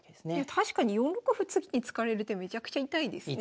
確かに４六歩次に突かれる手めちゃくちゃ痛いですね。